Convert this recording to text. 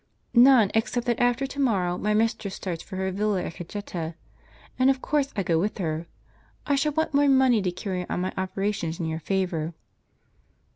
" "None, except that after to morrow my mistress starts for her villa at Cajeta,* and of course I go with her. I shall want more money to carry on my operations in your favor."